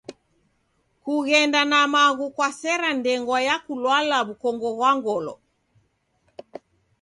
Kughenda na maghu kwasera ndengwa ya kulwala w'ukongo ghwa ngolo.